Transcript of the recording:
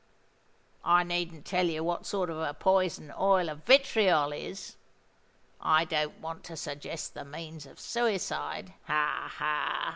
I needn't tell you what sort of a poison oil of vitriol is: I don't want to suggest the means of suicide—ha! ha!